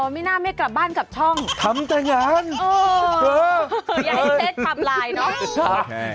อ๋อไม่น่าไม่กลับบ้านกับช่องทำแต่งานอ๋อเอออยากให้เจสทำลายเนอะ